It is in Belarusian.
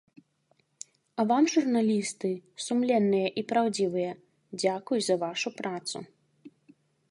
А вам журналісты, сумленныя і праўдзівыя, дзякуй за вашу працу.